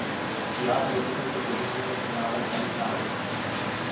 Já proto tento pozměňovací návrh zamítám.